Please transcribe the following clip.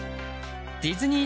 ディズニー